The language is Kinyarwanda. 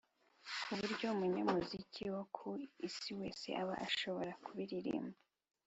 kuburyo umunyamuziki wo ku isi wese aba ashobora kubiririmba